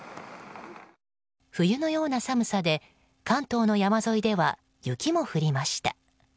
冬のような寒さで関東の山沿いでは雪も降りました。